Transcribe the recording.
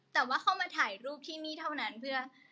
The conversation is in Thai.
แต่ว่าเข้ามาถ่ายรูปที่นี่เท่านั้นเพื่อ